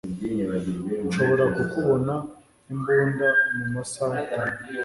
Nshobora kukubona imbunda mu masaha atanu.